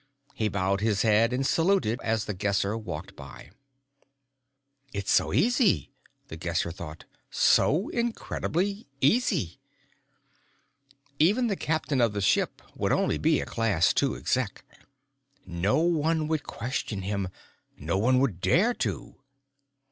He bowed his head and saluted as The Guesser walked by. It's so easy! The Guesser thought. So incredibly easy! Even the captain of the ship would only be a Class Two Exec. No one would question him no one would dare to.